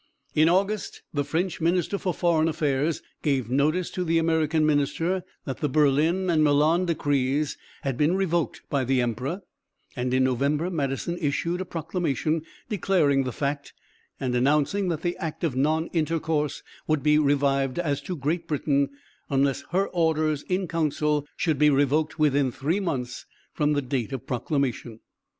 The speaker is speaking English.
In August the French minister for Foreign Affairs gave notice to the American minister that the Berlin and Milan decrees had been revoked by the Emperor; and in November Madison issued a proclamation declaring the fact, and announcing that the act of non intercourse would be revived as to Great Britain unless her orders in council should be revoked within three months from the date of the proclamation.